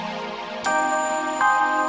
islam salah paul